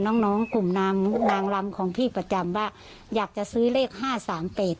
น้องน้องกลุ่มนางนางลำของพี่ประจำว่าอยากจะซื้อเลขห้าสามแปด